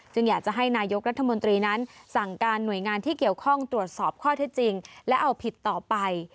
อยากจะให้นายกรัฐมนตรีนั้นสั่งการหน่วยงานที่เกี่ยวข้องตรวจสอบข้อเท็จจริงและเอาผิดต่อไป